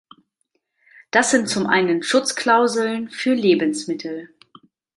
Das sind zum einen Schutzklauseln für Lebensmittel.